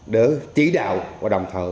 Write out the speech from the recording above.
để chỉ đạo và đồng thờ